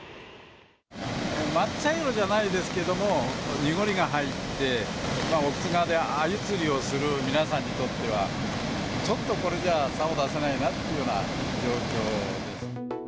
真っ茶色じゃないですけども、濁りが入って、興津川でアユ釣りをする皆さんにとっては、ちょっとこれじゃ、さお出せないなっていうような状況です。